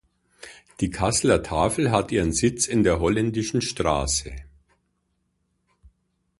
Die Kasseler Tafel hat ihren Sitz in der Holländischen Straße.